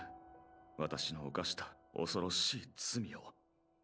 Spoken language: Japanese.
わたしの犯した恐ろしい罪を。